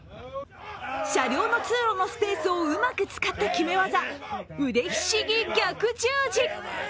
車両の通路のスペースをうまく使った決め技、腕ひしぎ逆十字。